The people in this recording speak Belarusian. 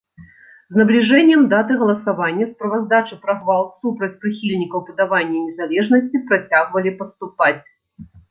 З набліжэннем даты галасавання справаздачы пра гвалт супраць прыхільнікаў падавання незалежнасці працягвалі паступаць.